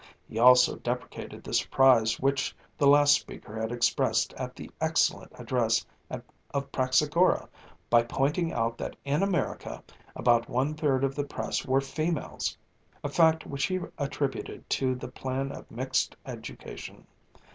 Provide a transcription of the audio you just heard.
He also deprecated the surprise which the last speaker had expressed at the excellent address of Praxagora by pointing out that in America about one third of the press were females, a fact which he attributed to the plan of Mixed Education.